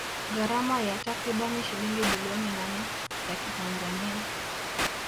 Gharama ya takribani shilingi bilioni nane za kitanzania